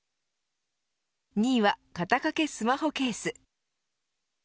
２位は、肩掛けスマホケース。